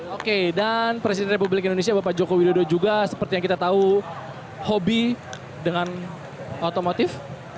oke dan presiden republik indonesia bapak joko widodo juga seperti yang kita tahu hobi dengan otomotif